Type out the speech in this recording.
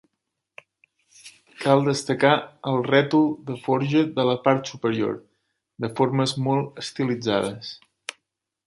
Cal destacar el rètol de forja de la part superior, de formes molt estilitzades.